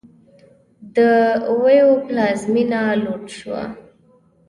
د اویو پلازمېنه لوټ شوه.